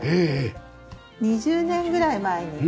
２０年ぐらい前に。